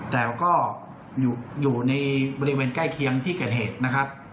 แต่ก็อยู่ในบริเวณใกล้เคียงที่เกิดเหตุนะครับ